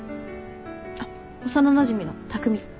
あっ幼なじみの匠。